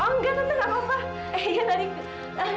oh enggak tante gak apa apa